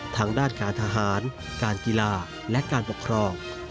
ทางด้านการทหารการกีฬาและการปกครอง